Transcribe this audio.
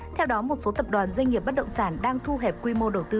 theo đó một số tập đoàn doanh nghiệp bất động sản đang thu hẹp quy mô đầu tư